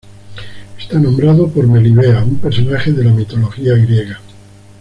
Está nombrado por Melibea, un personaje de la mitología griega.